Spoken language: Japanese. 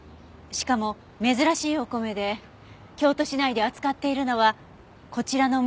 しかも珍しいお米で京都市内で扱っているのはこちらのお店だけでした。